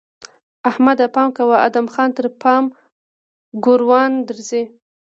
احمده! پام کوه؛ ادم خان تر پام ګوروان درځي!